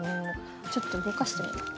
ちょっと動かしてみます。